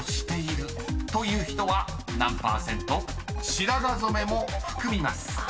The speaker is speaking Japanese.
［白髪染めも含みます］